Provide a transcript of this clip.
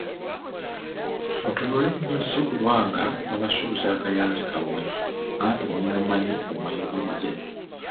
Mutunule nnyo si kulwa nga babasuuza akayanzi kammwe, anti mumumanyi omweyogereze .